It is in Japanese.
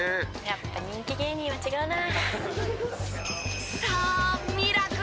「やっぱ人気芸人は違うな」